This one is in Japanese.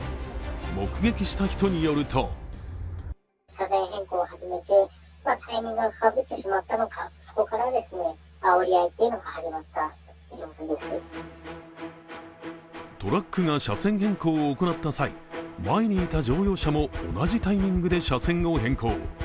目撃した人によるとトラックが車線変更を行った際前にいた乗用車も同じタイミングで車線を変更。